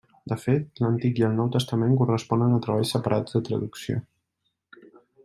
De fet, l'Antic i el Nou Testament corresponen a treballs separats de traducció.